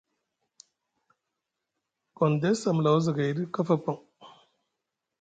Gondess a mula wozagay ɗi kafa paŋ.